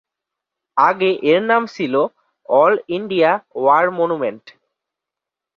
আগে এর নাম ছিল "অল ইন্ডিয়া ওয়ার মনুমেন্ট"।